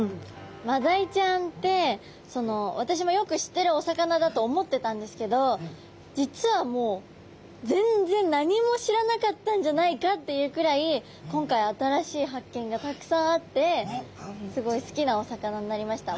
マダイちゃんって私もよく知ってるお魚だと思ってたんですけど実はもう全然何も知らなかったんじゃないかっていうくらい今回新しい発見がたくさんあってすごい好きなお魚になりました。